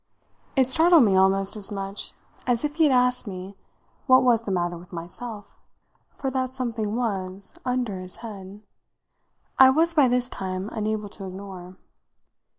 It startled me almost as much as if he had asked me what was the matter with myself for that something was, under this head, I was by this time unable to ignore.